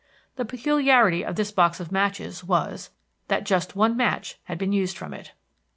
The peculiarity of this box of matches was that just one match had been used from it.